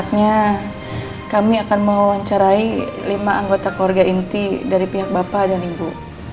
akhirnya kami akan mewawancarai lima anggota keluarga inti dari pihak bapak dan ibu